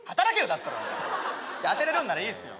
だったらじゃあ当てれるんならいいっすよ